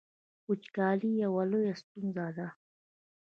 وچکالي یوه لویه ستونزه ده